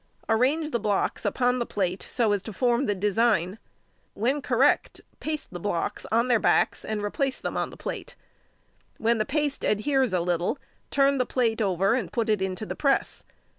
Arrange the blocks upon the plate so as to form the design; when correct, paste the blocks on their backs and replace them on the plate. When the paste adheres a little, turn the plate over and put it into the press.